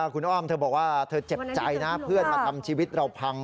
คุณอ้อมเธอบอกว่าเธอเจ็บใจนะเพื่อนมาทำชีวิตเราพัง